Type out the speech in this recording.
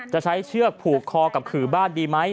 จะใช้เชือกผูกคอกับขื่อบ้านดีไหม